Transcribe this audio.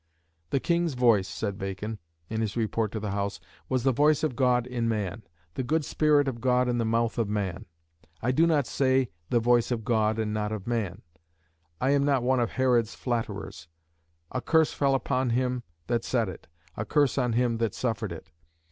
"The King's voice," said Bacon, in his report to the House, "was the voice of God in man, the good spirit of God in the mouth of man; I do not say the voice of God and not of man; I am not one of Herod's flatterers; a curse fell upon him that said it, a curse on him that suffered it.